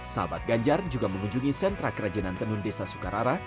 sahabat ganjar juga mengunjungi sentra kerajinan tenun desa sukarara